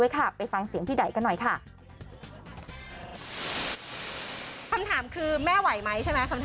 คำถามคือแม่ไหวไหมใช่ไหม